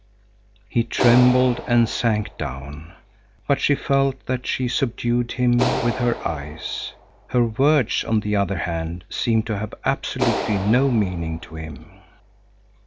He trembled and sank down. But she felt that she subdued him with her eyes. Her words, on the other hand, seemed to have absolutely no meaning to him.